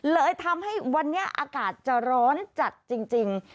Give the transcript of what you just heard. เลยทำให้วันนี้อากาศจะร้อนจัดจริง